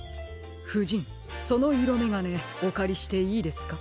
ふじんそのいろめがねおかりしていいですか？